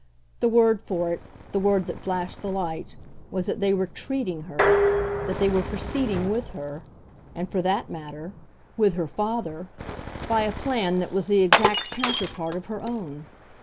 The word for it, the word that flashed the light, was that they were TREATING her, that they were proceeding with her and, for that matter, with her father by a plan that was the exact counterpart of her own.